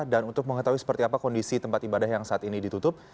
dan untuk mengetahui seperti apa kondisi tempat ibadah yang saat ini ditutup